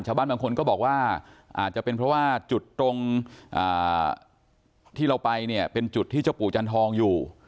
ชาวบ้านบางคนก็บอกว่าอาจจะเป็นเพราะว่าจุดตรงที่เราไปเนี่ยเป็นจุดที่เจ้าปู่จันทองอยู่